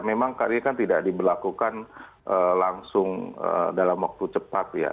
memang kali ini kan tidak diberlakukan langsung dalam waktu cepat ya